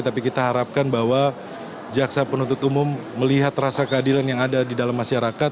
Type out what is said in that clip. tapi kita harapkan bahwa jaksa penuntut umum melihat rasa keadilan yang ada di dalam masyarakat